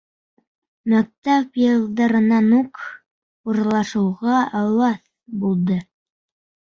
Мәктәп йылдарынан уҡ урлашыуға әүәҫ булды.